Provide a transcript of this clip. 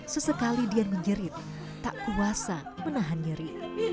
sesekali dian menjerit tak kuasa menahan nyeri